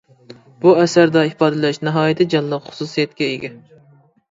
بۇ ئەسەردە ئىپادىلەش ناھايىتى جانلىق خۇسۇسىيەتكە ئىگە.